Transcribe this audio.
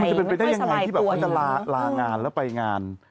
มันจะไปได้ยังไงที่จะลางานแล้วไปงาน